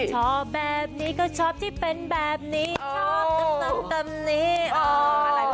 ชอบแบบนี้ก็ชอบที่เป็นแบบนี้ชอบตำนี้